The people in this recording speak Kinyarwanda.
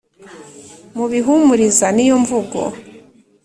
mu bihumuza niyo mvugo